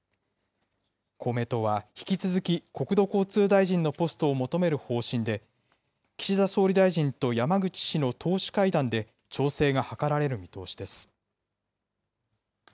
公明党は引き続き、国土交通大臣のポストを求める方針で、岸田総理大臣と山口氏の党首会談で調整が図られる見通しです。